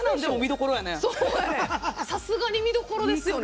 さすがに見どころですよね。